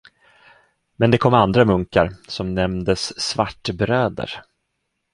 Men det kom andra munkar, som nämndes Svartbröder.